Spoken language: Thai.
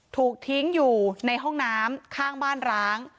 ถูกทิ้งอยู่ในห้องน้ำข้างบ้านร้าง